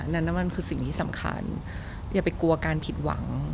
นั่นมันคือสิ่งที่สำคัญอย่าไปกลัวการผิดหวัง